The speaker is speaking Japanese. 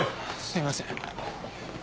すいません。